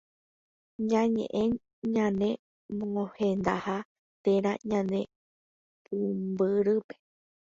Ñañe'ẽ ñane mohendaha térã ñane pumbyrýpe